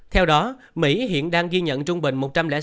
theo đó mỹ hiện đang ghi nhận trung bình